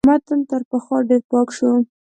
متن تر پخوا ډېر پاک شو.